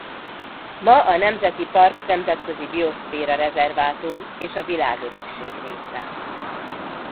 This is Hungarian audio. Ma a nemzeti park nemzetközi bioszféra-rezervátum és a Világörökség része.